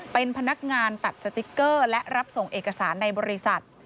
เป็นพนักงานตัดสติ๊กเกอร์และรับส่งเอกสารในบริษัท